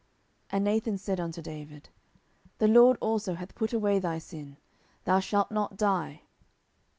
And Nathan said unto David, The LORD also hath put away thy sin; thou shalt not die.